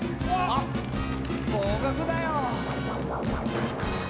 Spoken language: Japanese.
あっ、合格だよー。